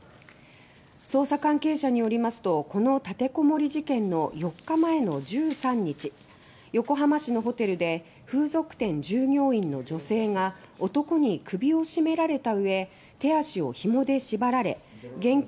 捜査関係者によりますとこの立てこもり事件の４日前の１３日横浜市のホテルで風俗店従業員の女性が男に首を絞められたうえ手足をひもで縛られ現金